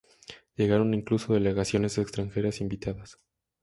Llegaron incluso delegaciones extranjeras invitadas.